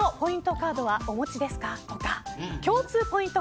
カードはお持ちですかとか共通ポイント